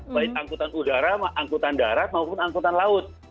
baik angkutan udara angkutan darat maupun angkutan laut